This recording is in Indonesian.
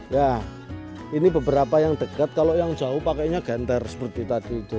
ya ini beberapa yang dekat kalau yang jauh pakainya genter seperti tadi itu